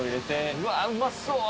うわうまそう！